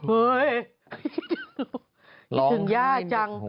ร้องไห้โดยโฮนคิดถึงย่าจัง